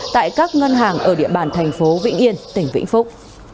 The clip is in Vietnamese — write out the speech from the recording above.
tại các ngân hàng ở địa bàn thành phố vĩnh yên tỉnh vĩnh phúc